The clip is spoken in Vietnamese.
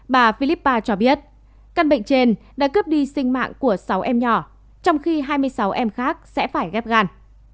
bà philippa cho biết căn bệnh trên đã cướp đi sinh mạng của sáu em nhỏ trong khi hai mươi sáu em khác sẽ phải ghép gan